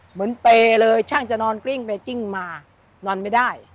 เหมือนเปย์เลยช่างจะนอนกลิ้งไปกลิ้งมานอนไม่ได้